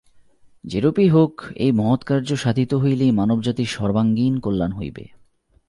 যেরূপেই হউক, এই মহৎকার্য সাধিত হইলেই মানবজাতির সর্বাঙ্গীণ কল্যাণ হইবে।